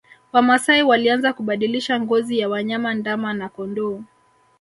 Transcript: Wamasai walianza kubadilisha ngozi ya wanyama ndama na kondoo